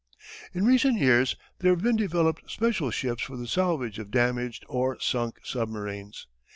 In recent years there have been developed special ships for the salvage of damaged or sunk submarines.